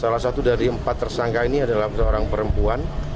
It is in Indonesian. salah satu dari empat tersangka ini adalah seorang perempuan